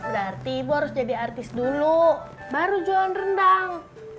berarti ibu harus jadi artis dulu baru jualan rendang